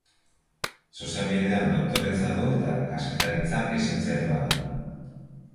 Zuzenbidean doktoretza du eta Kazetaritzan lizentziatua da.